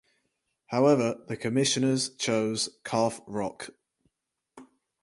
However the commissioners chose Calf Rock.